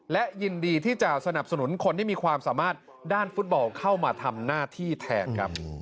และยินดีที่จะสนับสนุนคนที่มีความสามารถด้านฟุตบอลเข้ามาทำหน้าที่แทนครับ